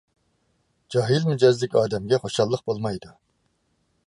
جاھىل مىجەزلىك ئادەمگە خۇشاللىق بولمايدۇ.